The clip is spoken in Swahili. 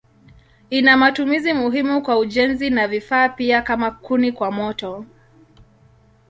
Ina matumizi muhimu kwa ujenzi na vifaa pia kama kuni kwa moto.